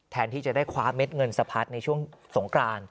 แทนที่จะได้คว้าเม็ดเงินสะพัดในช่วงสงกราน